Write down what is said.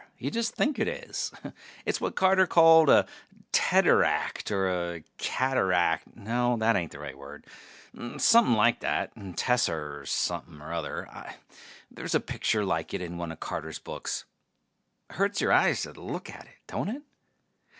You just think it is. It's what Carter called a teteract, or a cataract ... no, that ain't the right word. Somepin' like that tesser something or other. There's a picture like it in one of Carter's books. Hurts your eyes to look at it, don't it?